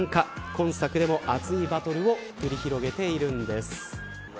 今作でも、熱いバトルを繰り広げているんです。